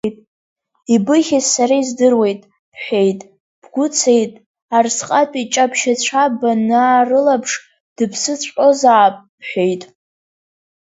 Ибыхьыз сара издыруеит, бҳәеит, бгәы цеит, арсҟатәи ҷаԥшьацәа банаарылаԥш, дыԥсыҵәҟьозаап, бҳәеит.